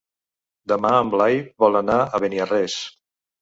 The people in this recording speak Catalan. Demà en Blai vol anar a Beniarrés.